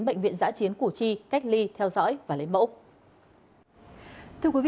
bệnh viện giã chiến củ chi cách ly theo dõi và lấy mẫu